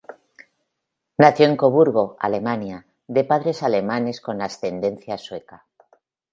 Nació en Coburgo, Alemania, de padres alemanes con ascendencia sueca.